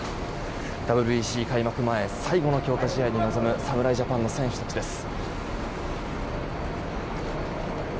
ＷＢＣ開幕前最後の強化試合に臨む侍ジャパンの選手たちです。